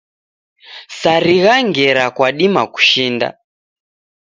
Sarigha, ngera kwadima kushinda